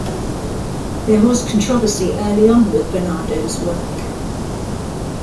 There was controversy early on with Barnardo's work.